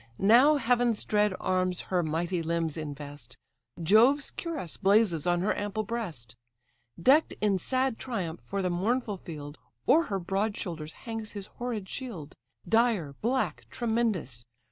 Now heaven's dread arms her mighty limbs invest, Jove's cuirass blazes on her ample breast; Deck'd in sad triumph for the mournful field, O'er her broad shoulders hangs his horrid shield, Dire, black, tremendous!